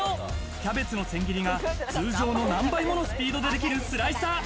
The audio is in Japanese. キャベツの千切りが通常の何倍ものスピードでできるスライサー。